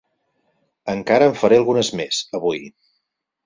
Encara en faré algunes més, avui.